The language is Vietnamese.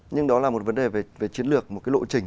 nhưng đó là một vấn đề về chiến lược một cái lộ trình